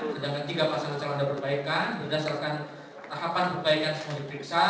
sedangkan tiga pasangan calon ada berbaikan berdasarkan tahapan perbaikan semuanya diperiksa